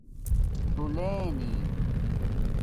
تُولینی